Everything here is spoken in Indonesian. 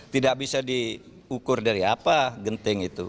tidak bisa diukur dari apa genting itu